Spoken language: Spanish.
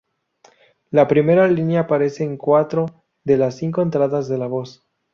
La primera línea aparece en cuatro de las cinco entradas de la voz.